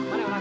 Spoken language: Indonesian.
ini lu tuan